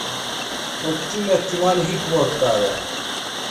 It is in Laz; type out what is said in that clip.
Oç̌ume ç̌umani hik vort̆are.